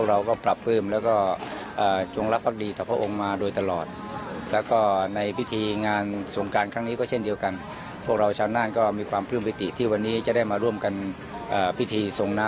อันนี้ถึงจะมีงานสงการต่อเรื่องสอง